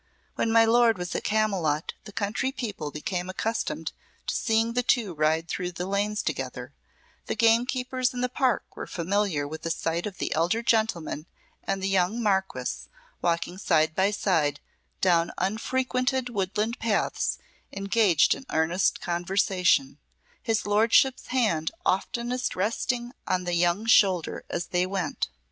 When my lord was at Camylott the country people became accustomed to seeing the two ride through the lanes together, the gamekeepers in the park were familiar with the sight of the elder gentleman and the young Marquess walking side by side down unfrequented woodland paths engaged in earnest conversation, his lordship's hand oftenest resting on the young shoulder as they went.